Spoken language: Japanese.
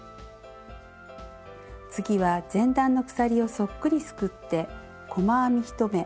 次は前段の鎖をそっくりすくって細編み１目。